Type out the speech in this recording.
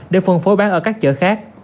để phân phối bán ở các chợ khác